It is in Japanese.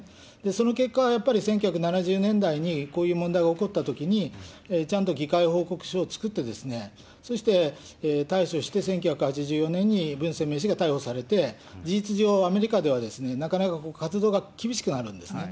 その結果、やっぱり１９７０年代に、こういう問題が起こったときにちゃんと議会報告書を作って、そして、対処して１９８４年に、文鮮明氏が逮捕されて、事実上、アメリカではなかなか活動が厳しくなるんですね。